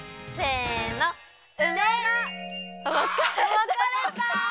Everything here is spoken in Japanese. わかれた！